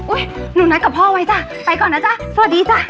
หนูนัดกับพ่อไว้จ้ะไปก่อนนะจ๊ะสวัสดีจ้ะ